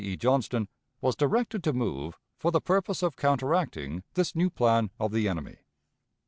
E. Johnston, was directed to move for the purpose of counteracting this new plan of the enemy.